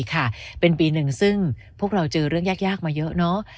ค่ะเป็นปีหนึ่งซึ่งพวกเราเจอเรื่องยากมาเยอะเนอะ